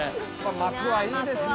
幕はいいですね。